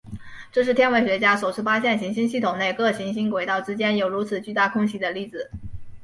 这是天文学家首次发现行星系统内各行星轨道之间有如此巨大空隙的例子。